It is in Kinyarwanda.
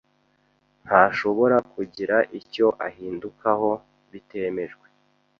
Ntashobora kugira icyo ahindukaho bitemejwe